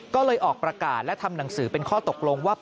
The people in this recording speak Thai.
ก็เลยออกประกาศและทำหนังสือเป็นข้อตกลงว่า